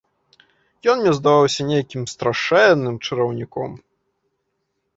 Ён мне здаваўся нейкім страшэнным чараўніком.